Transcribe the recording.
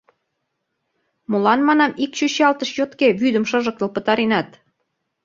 — Молан, манам, ик чӱчалтыш йотке вӱдым шыжыктыл пытаренат?